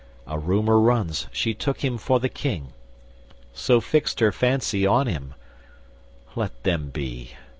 A rumour runs, she took him for the King, So fixt her fancy on him: let them be.